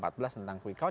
tentang kwi count